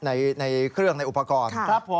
ใส่ในเครื่องในอุปกรณ์